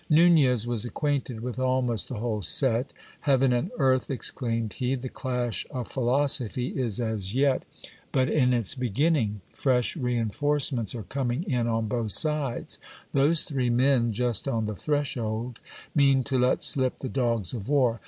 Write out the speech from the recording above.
Xunez was acquainted with almost the whole set. Heaven and earth ! exclaimed he, the clash of philosophy is as yet but in its beginning ; fresh reinforcements are coming in on both sides. Those three men just on the threshold, mean to let slip the dogs of war.